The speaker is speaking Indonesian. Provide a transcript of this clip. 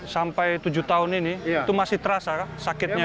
sampai tujuh tahun ini itu masih terasa sakitnya